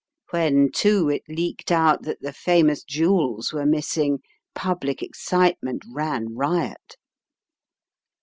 When, too, it leaked out that the famous jewels were missing, pub lic excitement ran riot.